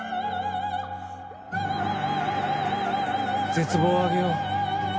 絶望をあげよう。